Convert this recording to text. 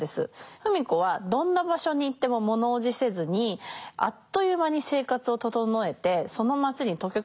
芙美子はどんな場所に行っても物おじせずにあっという間に生活を整えてその街に溶け込んでしまうという特技があります。